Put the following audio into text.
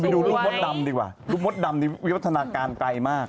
ดูรูปมดดำดีกว่าลูกมดดำนี่วิวัฒนาการไกลมาก